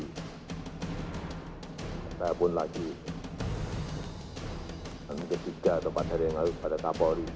kita pun lagi ketiga atau empat hari yang lalu kepada kapolri